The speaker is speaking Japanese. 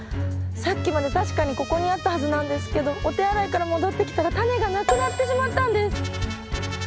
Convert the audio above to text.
さっきまで確かにここにあったはずなんですけどお手洗いから戻ってきたらタネがなくなってしまったんです！